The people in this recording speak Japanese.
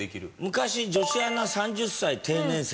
昔「女子アナ３０歳定年説」